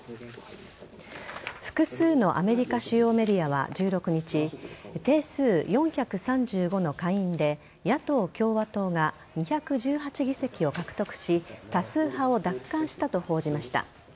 複数のアメリカ主要メディアは１６日定数４３５の下院で野党・共和党が２１８議席を獲得し多数派を奪還したと報じました。